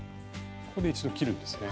ここで一度切るんですね。